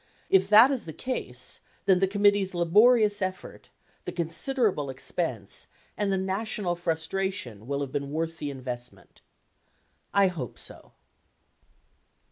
If that is the case, then the committee's laborious effort, the considerable expense, and the national frustration will have been worth the investment. I hope so.